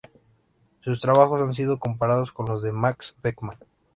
Sus trabajos han sido comparados con los de Max Beckmann.